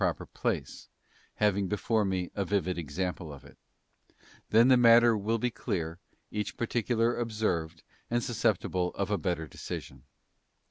proper place, having before me a vivid example of it; then the matter will be clear, each particular observed and sus ceptible of a better decision.